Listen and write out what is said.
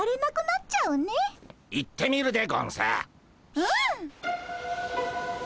うん。